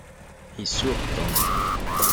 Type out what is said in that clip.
Isuɣ Tom.